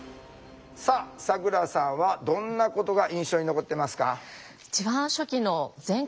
さあさくらさんはどんなことが印象に残ってますか？